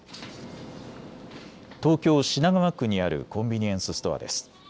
東京品川区にあるコンビニエンスストアです。